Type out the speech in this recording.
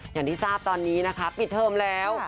อย่างที่ทราบตอนนี้นะคะปิดเทอมแล้ว